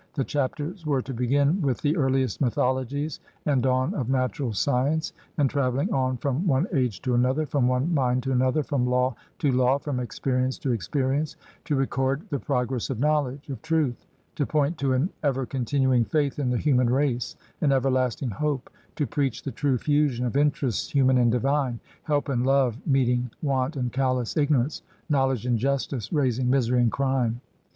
The chapters were to begin with the earliest mythologies and dawn of natural science, and travelling on from one age to another, from one mind to another, from law to law, from experience to experience, to record the progress of knowledge, of truth; to point to an ever continuing faith in the human race, an everlasting hope; to preach the true fusion of interests human and divine, help and love meeting want and callous ignorance, knowledge and justice raising misery and crime.